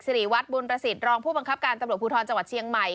ริวัฒนบุญประสิทธิ์รองผู้บังคับการตำรวจภูทรจังหวัดเชียงใหม่